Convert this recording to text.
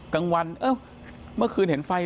ฐานพระพุทธรูปทองคำ